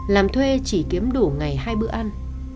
làm thuê chỉ kiếm đủ ngày hai bữa ăn